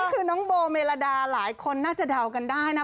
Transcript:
คือน้องโบเมลาดาหลายคนน่าจะเดากันได้นะ